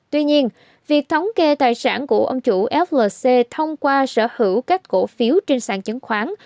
tuy nhiên việc thống kê tài sản của ông chủ flc thông qua sở hữu các cổ phiếu trên sàn chứng khoán